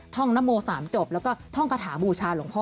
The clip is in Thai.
นโม๓จบแล้วก็ท่องคาถาบูชาหลวงพ่อ